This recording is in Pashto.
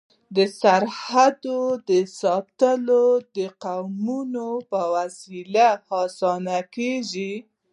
د سرحد ساتل د قومونو په واسطه اسانه کيږي.